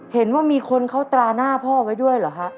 เห็นว่ามีคนเขาตราหน้าพ่อไว้ด้วยเหรอฮะ